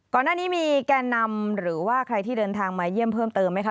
ก่อนหน้านี้มีแก่นำหรือว่าใครที่เดินทางมาเยี่ยมเพิ่มเติมไหมคะ